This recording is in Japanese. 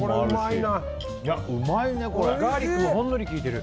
ガーリックもほんのり効いてる。